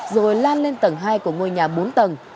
rồi lan lên tầng hai của ngôi nhà bốn tầng